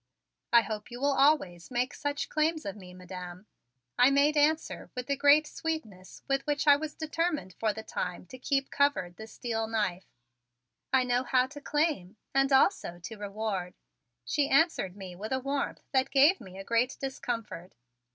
"I hope you will always make such claims of me, Madam," I made answer with the great sweetness with which I was determined for the time to keep covered the steel knife. "I know how to claim and also to reward," she answered me with a warmth that gave me a great discomfort.